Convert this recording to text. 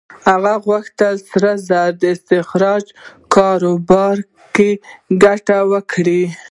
هغه غوښتل د سرو زرو د استخراج په کاروبار کې ګټه وکړي.